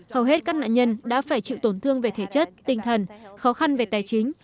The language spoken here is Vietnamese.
hầu hết các nạn nhân đã phải chịu tổn thương về thể chất tinh thần khó khăn về tài chính